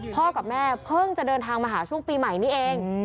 กับแม่เพิ่งจะเดินทางมาหาช่วงปีใหม่นี้เอง